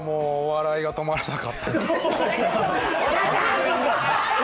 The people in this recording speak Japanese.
笑いが止まらなかったです。